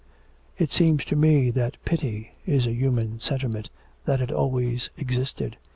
'It seems to me that pity is a human sentiment, that it always existed.